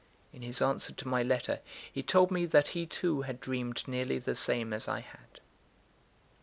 In his answer to my letter, he told me that he too had dreamed nearly the same as I had.